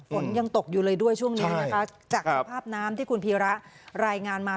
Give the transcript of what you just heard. ฝนยังตกอยู่เลยด้วยช่วงนี้นะคะจากสภาพน้ำที่คุณพีระรายงานมา